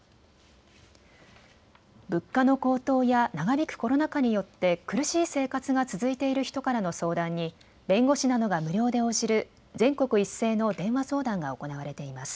物価の高騰や長引くコロナ禍によって苦しい生活が続いている人からの相談に弁護士などが無料で応じる全国一斉の電話相談が行われています。